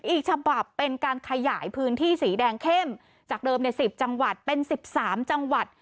อีกฉบับเป็นการขยายพื้นที่สีแดงเข้มจากเดิมใน๑๐จังหวัดเป็น๑๓จังหวัด